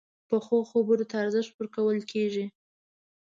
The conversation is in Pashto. پخو خبرو ته ارزښت ورکول کېږي